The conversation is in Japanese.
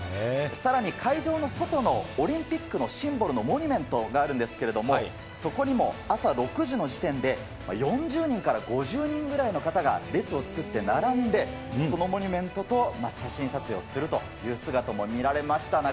さらに、会場の外のオリンピックのシンボルのモニュメントがあるんですけれども、そこにも朝６時の時点で、４０人から５０人ぐらいの方が列を作って並んで、そのモニュメントと写真撮影をするという姿も見られました。